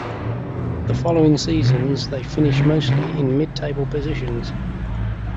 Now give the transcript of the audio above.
The following seasons they finished mostly in mid-table positions.